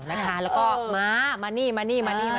เออแล้วก็มามานี่มานี่